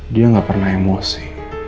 dia gak pernah emosi